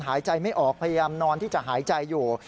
หายใจไม่ออกพยายามนอนที่จะหายใจอยู่